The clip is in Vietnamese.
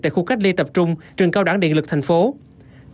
tại khu cách ly tập trung trường cao đẳng điện lực tp hcm